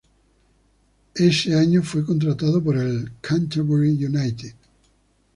Ese año fue contratado por el Canterbury United.